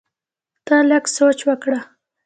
ته لږ سوچ وکړه!